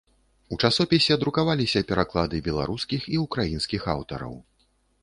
У часопісе друкаваліся пераклады беларускіх і ўкраінскіх аўтараў.